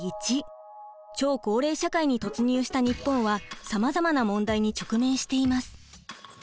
超高齢社会に突入した日本はさまざまな問題に直面しています。